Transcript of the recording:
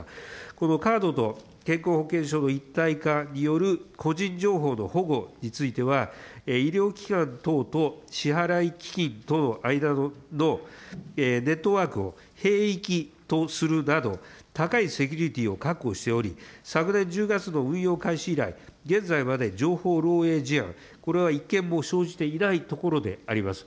このカードと健康保険証の一体化による個人情報の保護については、医療機関等と支払い機器等の間のネットワークを閉域とするなど、高いセキュリティを確保しており、昨年１０月の運用開始以来、現在までに情報漏えい事案、これは一件も生じていないところであります。